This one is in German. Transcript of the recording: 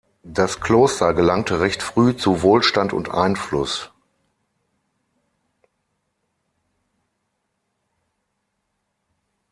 Das Kloster gelangte recht früh zu Wohlstand und Einfluss.